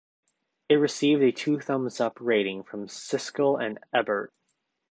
It received a "two thumbs up" rating from Siskel and Ebert.